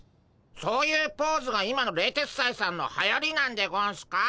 そういうポーズが今の冷徹斎さんのはやりなんでゴンスか？